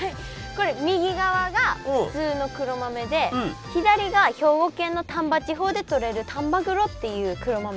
これ右側が普通の黒豆で左が兵庫県の丹波地方でとれる丹波黒っていう黒豆。